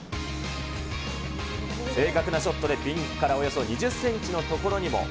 正確なショットでピンからおよそ２０センチの所にも。